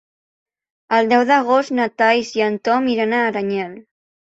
El deu d'agost na Thaís i en Tom iran a Aranyel.